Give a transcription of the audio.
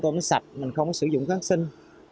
mình sạch mình không có sử dụng kháng sinh